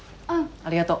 ありがとう。